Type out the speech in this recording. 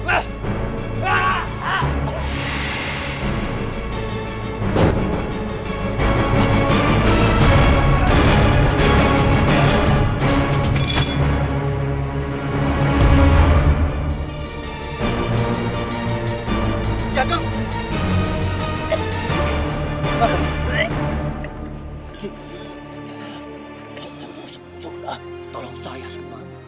aku ingin bertobat sunan